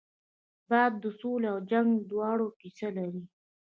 باد د سولې او جنګ دواړو کیسه لري